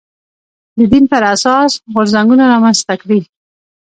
د دین پر اساس غورځنګونه رامنځته کړي